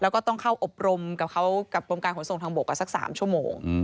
แล้วก็ต้องเข้าอบรมกับกรมการขนส่งทางบกกันสักสามชั่วโมง